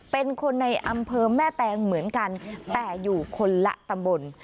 เป็นคนในอำเภอแม่แตงเหมือนกันแต่อยู่คนละตำบล